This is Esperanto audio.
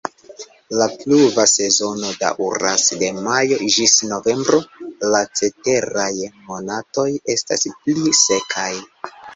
La pluva sezono daŭras de majo ĝis novembro, la ceteraj monatoj estas pli sekaj.